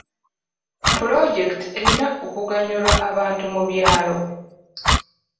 Pulojekiti erina okuganyula abantu mu byalo.